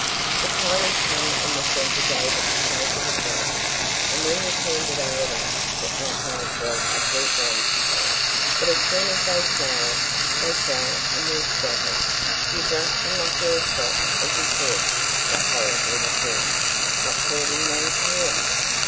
The tiny tongue in the centre gave it the shape of a bell. And when you turned it over the outside was a deep bronze colour. But as soon as they flowered, they fell and were scattered. You brushed them off your frock as you talked; the horrid little things got caught in one's hair.